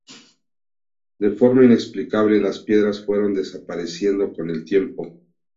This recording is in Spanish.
De forma inexplicable, las piedras fueron desapareciendo con el tiempo.